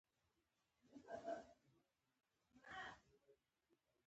د شپېلۍ غږ